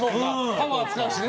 パワー使うしね。